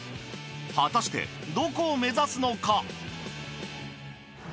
果たしてどこを目指すのか？